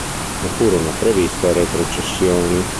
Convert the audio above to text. Non furono previste retrocessioni.